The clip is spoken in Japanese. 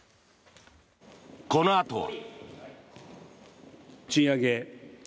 このあとは。